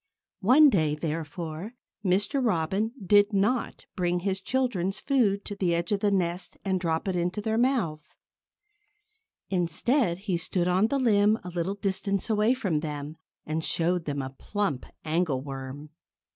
One day, therefore, Mr. Robin did not bring his children's food to the edge of the nest and drop it into their mouths. Instead, he stood on the limb a little distance away from them and showed them a plump angleworm.